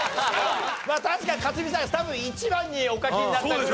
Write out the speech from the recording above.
確かに克実さん多分一番にお書きになったぐらい。